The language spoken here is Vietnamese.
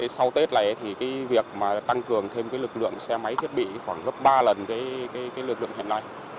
sau tết này thì việc tăng cường thêm lực lượng xe máy thiết bị khoảng gấp ba lần lực lượng hiện nay